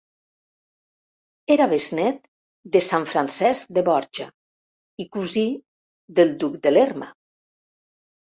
Era besnét de sant Francesc de Borja i cosí del duc de Lerma.